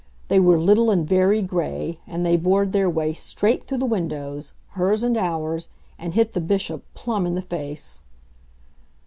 They were little and very gray, and they bored their way straight through the windows hers and ours and hit the Bishop plumb in the face.